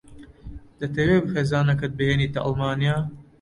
دەتەوێت خێزانەکەت بهێنیتە ئەڵمانیا؟